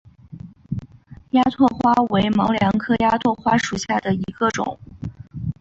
鸦跖花为毛茛科鸦跖花属下的一个种。